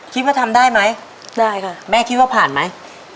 โปรแป๊งส์เดียวไป